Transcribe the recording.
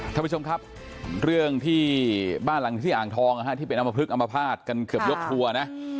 ท่านผู้ชมครับเรื่องที่บ้านหลังที่อ่างทองนะฮะที่เป็นอำมพลึกอมภาษณ์กันเกือบยกครัวนะ